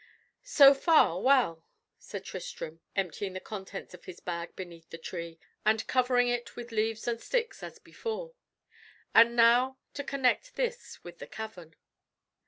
"So far, well!" said Tristram, emptying the contents of his bag beneath the tree, and covering it with leaves and sticks, as before; "and now to connect this with the cavern."